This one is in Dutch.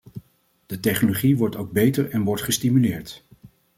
De technologie wordt ook beter en wordt gestimuleerd.